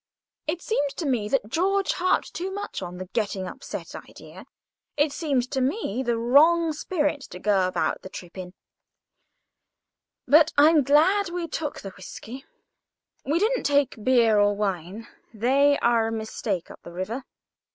It seemed to me that George harped too much on the getting upset idea. It seemed to me the wrong spirit to go about the trip in. But I'm glad we took the whisky. We didn't take beer or wine. They are a mistake up the river.